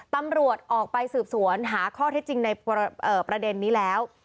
ตำรวจออกไปสืบสวนหาข้อเท็จจริงในประเด็นนี้แล้ว